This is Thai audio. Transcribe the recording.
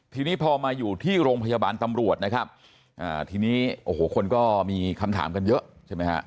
ทีนี้พอมาอยู่ที่โรงพยาบาลตำรวจนะครับอ่าทีนี้โอ้โหคนก็มีคำถามกันเยอะใช่ไหมฮะ